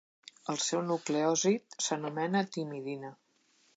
El seu nucleòsid s'anomena timidina.